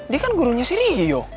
dia kan gurunya si rio